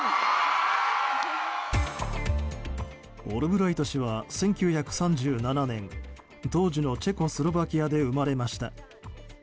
オルブライト氏は１９３７年当時のチェコスロバキアで生まれました。